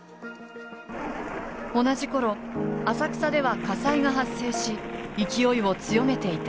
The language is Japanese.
同じ頃浅草では火災が発生し勢いを強めていた。